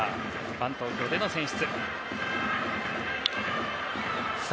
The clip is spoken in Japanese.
ファン投票での選出。